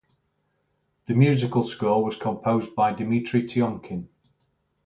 The musical score was composed by Dimitri Tiomkin.